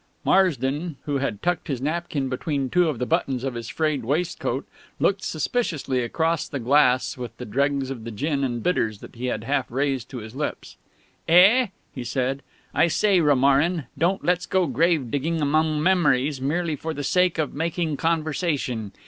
Marsden, who had tucked his napkin between two of the buttons of his frayed waistcoat, looked suspiciously across the glass with the dregs of the gin and bitters that he had half raised to his lips. "Eh?" he said. "I say, Romarin, don't let's go grave digging among memories merely for the sake of making conversation.